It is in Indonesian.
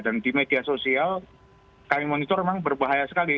dan di media sosial kami monitor memang berbahaya sekali